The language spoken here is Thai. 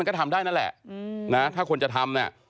ก็ทำได้นั่นแหละนะถ้าคนจะทำเนี่ย